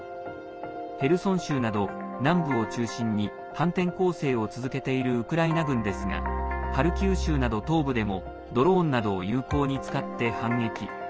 ヘルソン州など南部を中心に反転攻勢を続けているウクライナ軍ですがハルキウ州など東部でもドローンなどを有効に使って反撃。